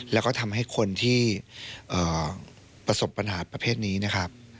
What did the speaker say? แล้วก็ทำให้คนที่ประสบปัญหาประเภทนี้นะครับ